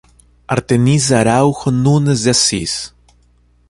Arteniza Araújo Nunes de Assis